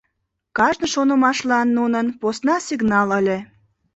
Кажне шонымашлан нунын посна сигнал ыле.